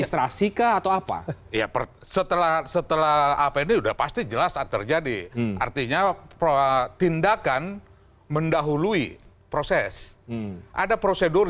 setelah setelah apn udah pasti jelas atur jadi artinya pro tindakan mendahului proses ada prosedur